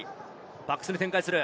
バックスに展開する。